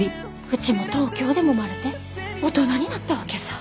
うちも東京でもまれて大人になったわけさ。